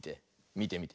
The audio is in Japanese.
みてみて。